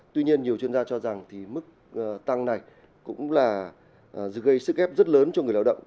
tuy nhiên nhiều chuyên gia cho rằng mức tăng này cũng là gây sức ép rất lớn cho người lao động